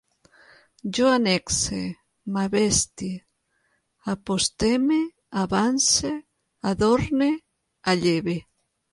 Jo annexe, m'abestie, aposteme, avance, adorne, alleve